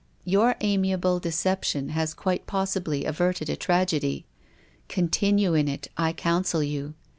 Your ami able deception has quite possibly averted a tragedy. Continue in it, I counsel yoti.